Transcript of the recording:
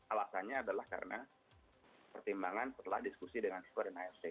alasannya adalah karena pertimbangan setelah diskusi dengan skor dan afc